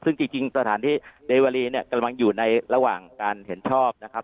ซึ่งจริงสถานที่เดวารีเนี่ยกำลังอยู่ในระหว่างการเห็นชอบนะครับ